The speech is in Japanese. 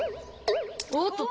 おっとと！